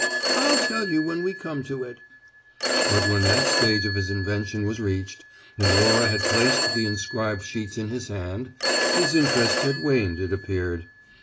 "I'll tell you when we come to it." But when that stage of his invention was reached, and Laura had placed the inscribed sheets in his hand, his interest had waned, it appeared.